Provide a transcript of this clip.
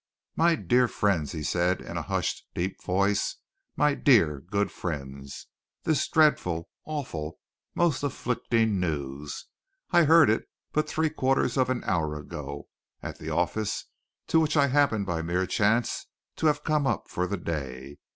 "My dear friends!" he said in a hushed, deep voice. "My dear, good friends! This dreadful, awful, most afflicting news! I heard it but three quarters of an hour ago at the office, to which I happened by mere chance, to have come up for the day.